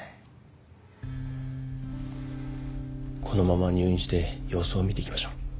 このまま入院して様子を見ていきましょう。